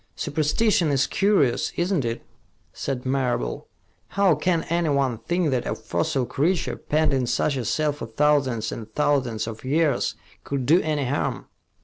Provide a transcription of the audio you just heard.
"Superstition is curious, isn't it?" said Marable. "How can anyone think that a fossil creature, penned in such a cell for thousands and thousands of years, could do any harm?"